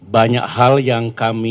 banyak hal yang kami